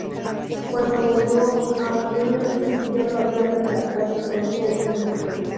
Cuando volvió a Unión el club ya lo había reemplazado por otro Osuna.